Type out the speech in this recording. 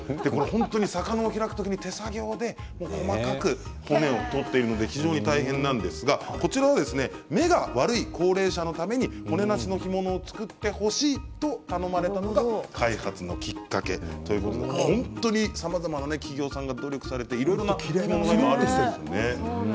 本当に魚を開く時に手作業で細かく骨を取っているので、大変なんですが目が悪い高齢者のために骨なしの干物を作ってほしいと頼まれたのが開発のきっかけということで、本当にさまざまな企業さんが努力されていろいろな助かるわ。